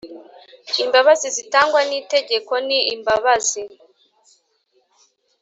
Imbabazi zitangwa n itegeko ni imbabazi